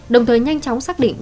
đồng thời nhanh chóng xác định